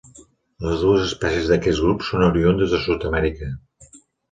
Les dues espècies d'aquest grup són oriündes de Sud-amèrica.